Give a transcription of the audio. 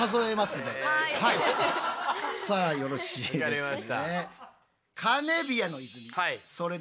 さあよろしいですね？